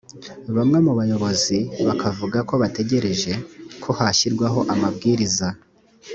bamwe mu bayobozi bakavuga ko bategereje ko hashyirwaho amabwiriza